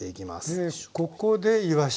でここでいわし。